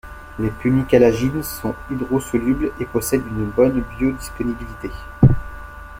Les punicalagines sont hydrosolubles et possèdent une bonne biodisponibilité.